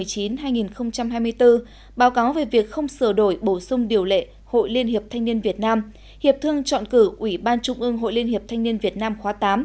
hàng hai nghìn một mươi chín hai nghìn hai mươi bốn báo cáo về việc không sửa đổi bổ sung điều lệ hội liên hiệp thanh niên việt nam hiệp thương chọn cử ủy ban trung ương hội liên hiệp thanh niên việt nam khóa tám